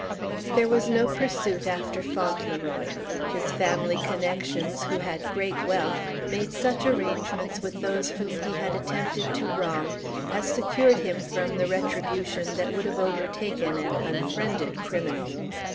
There was no pursuit after Fauntleroy. His family connections, who had great wealth, made such arrangements with those whom he had attempted to wrong as secured him from the retribution that would have overtaken an unfriended criminal.